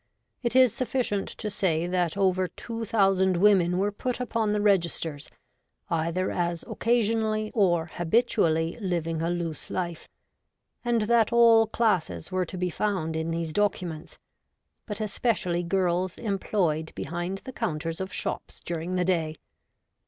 It is sufficient to say that over 2000 women were put upon the registers, either as occasionally or habitually living a loose life, and that all classes were to be found in these documents, but especially girls employed be hind the counters of shops during the day.